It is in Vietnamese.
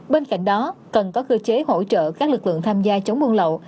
bên cạnh đó cần có cơ chế hỗ trợ các lực lượng tham gia chống buôn lậu